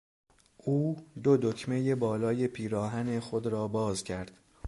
او دو دکمهی بالای پیراهن خود را باز کرد.